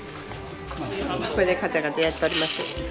これでカチャカチャやっとります。